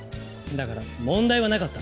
だから問題はなかった？